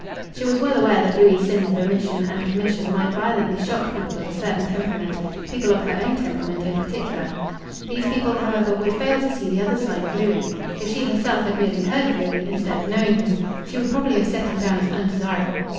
She was well aware that Louis' sins of omission and commission might violently shock people of a certain temperament people of her own temperament in particular. These people, however, would fail to see the other side of Louis. If she herself had merely heard of Louis, instead of knowing him, she would probably have set him down as undesirable.